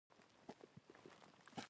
غول د وېټامینونو کموالی رسوا کوي.